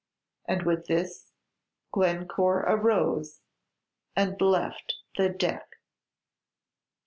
And with this, Glencore arose and left the deck.